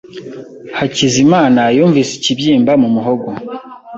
Hakizimana yumvise ikibyimba mu muhogo.